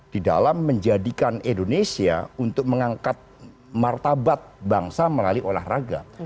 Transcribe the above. di dalam menjadikan indonesia untuk mengangkat martabat bangsa melalui olahraga